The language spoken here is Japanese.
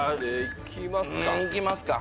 いきますか。